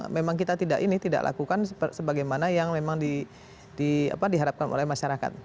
memang kita tidak ini tidak lakukan sebagaimana yang memang diharapkan oleh masyarakat